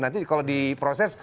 nanti kalau diproses